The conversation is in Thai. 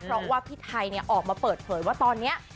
เพราะว่าพี่ไทยออกมาเปิดเผยว่าตอนนี้